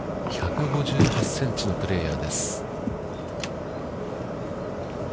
１５８センチのプレーヤーです。